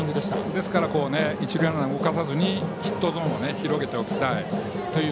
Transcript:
ですから、一塁ランナーを動かさずにヒットゾーンを広げておきたいと。